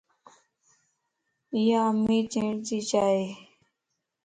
ايا امير ڇڻ تي چائي